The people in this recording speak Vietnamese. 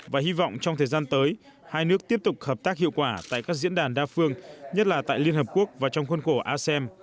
và hy vọng trong thời gian tới hai nước tiếp tục hợp tác hiệu quả tại các diễn đàn đa phương nhất là tại liên hợp quốc và trong khuôn khổ asem